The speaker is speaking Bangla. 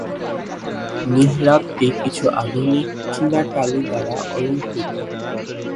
মিহরাবটি কিছু আধুনিক চীনা টালি দ্বারা অলংকৃত।